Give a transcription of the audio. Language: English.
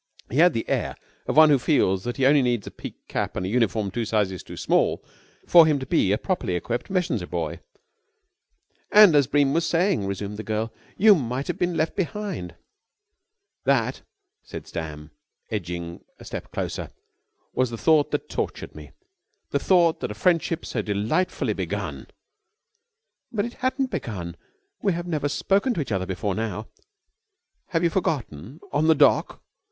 He had the air of one who feels that he only needs a peaked cap and a uniform two sizes too small for him to be a properly equipped messenger boy. "And, as Bream was saying," resumed the girl, "you might have been left behind." "That," said Sam, edging a step closer, "was the thought that tortured me, the thought that a friendship so delightfully begun...." "But it hadn't begun. We have never spoken to each other before now." "Have you forgotten? On the dock...."